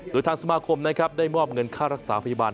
โดยทางสมาคมนะครับได้มอบเงินค่ารักษาพยาบาล